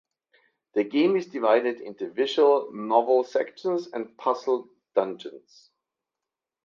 The game is divided into visual novel sections and puzzle dungeons.